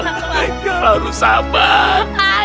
haikal harus sabar